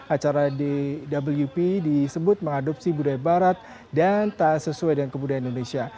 acara dwp disebut mengadopsi budaya barat dan tak sesuai dengan kebudayaan indonesia